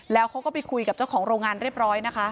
แล้วเขาก็ไปคุยกับเจ้าของโรงงานเรียบร้อยนะคะ